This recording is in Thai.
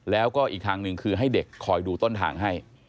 แล้วก็อีกทางหนึ่งคือให้เด็กคอยดูต้นทางให้